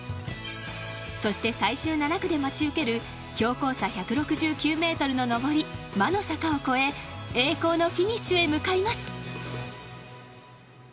そして最終７区で待ち受ける標高差１６９メートルの上り魔の坂を越え栄光のフィニッシュへ向かいます。